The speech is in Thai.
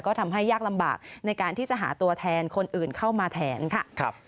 ก็ทำให้ยากลำบากในการที่จะหาตัวแทนคนอื่นเข้ามาแทนค่ะ